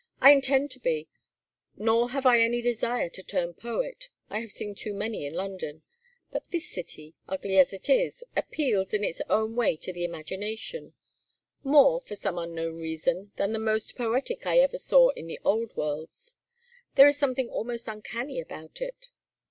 "I intend to be, nor have I any desire to turn poet. I have seen too many in London. But this city, ugly as it is, appeals in its own way to the imagination more, for some unknown reason, than the most poetic I ever saw in the old worlds. There is something almost uncanny about it.